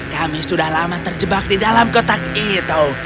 kami sudah lama terjebak di dalam kotak itu